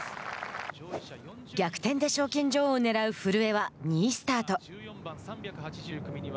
逆転で賞金女王をねらう古江は２位スタート。